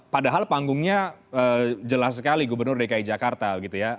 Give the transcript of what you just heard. padahal panggungnya jelas sekali gubernur dki jakarta gitu ya